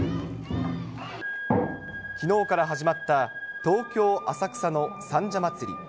きのうから始まった東京・浅草の三社祭。